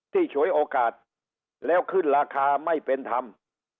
ที่ฉวยโอกาสแล้วขึ้นราคาไม่เป็นทำ